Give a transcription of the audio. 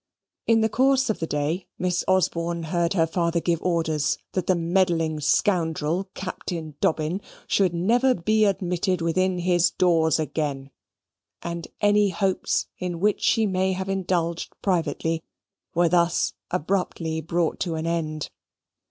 In the course of the day Miss Osborne heard her father give orders that that meddling scoundrel, Captain Dobbin, should never be admitted within his doors again, and any hopes in which she may have indulged privately were thus abruptly brought to an end.